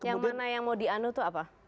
yang mana yang mau dianut itu apa